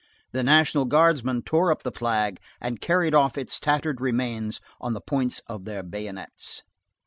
The National Guardsmen tore up the flag, and carried off its tattered remains on the points of their bayonets.